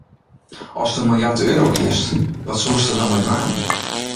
Ast in miljard euro hiest, wat soest der dan mei dwaan?